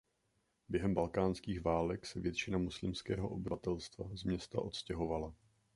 Během Balkánských válek se většina muslimského obyvatelstva z města odstěhovala.